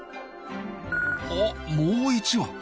あもう１羽。